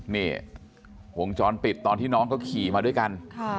นี่วงจรปิดตอนที่น้องเขาขี่มาด้วยกัน